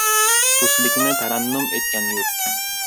Do‘stlikni tarannum etgan yurt